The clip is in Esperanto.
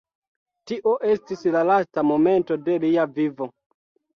Tio estis la lasta momento de lia vivo.